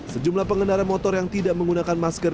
sejumlah pengendara motor yang tidak menggunakan masker